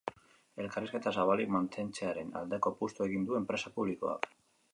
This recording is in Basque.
Elkarrizketa zabalik mantentzearen aldeko apustua egin du enpresa publikoak.